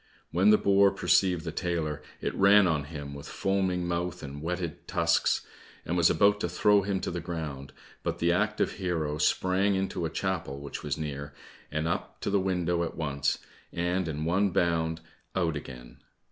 When the boar perceived the tailor, it ran on him with foaming mouth and whetted tusks, and was about to throw him to the ground, but the active hero sprang into a chapel which was near, and up to the window at once, and in one bound out again.